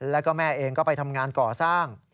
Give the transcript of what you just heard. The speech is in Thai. แล้วก็แม่เองก็ไปทำงานก่อสร้าง